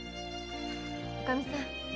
おかみさん